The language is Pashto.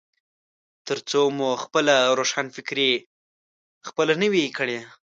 ترڅو مو خپله روښانفکري خپله نه وي کړي.